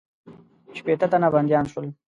شپېته تنه بندیان شول.